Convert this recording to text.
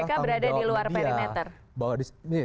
kpk berada di luar perimeter